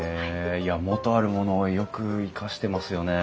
いや元あるものをよく生かしてますよね。